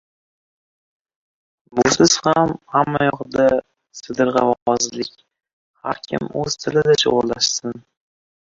Busiz ham hammayoqda — «sidirg‘avozlik». Har kim o‘z tilida «chug‘urlashsin».